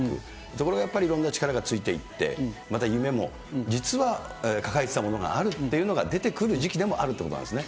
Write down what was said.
ところがやっぱり、いろんな力がついていて、夢も実は抱えていたものがあるというのが出てくる時期でもあるということなんですね。